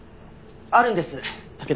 あるんです時々。